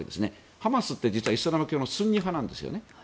ハマスって実はイスラム教のスンニ派なんです。